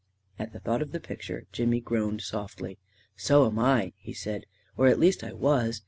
At thought of the picture, Jimmy groaned softly. "So am I," he said; "or at least I was.